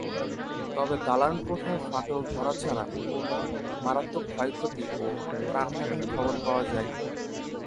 তবে দালানকোঠায় ফাটল ধরা ছাড়া কোনো মারাত্মক ক্ষয়ক্ষতি ও প্রাণহানির খবর পাওয়া যায়নি।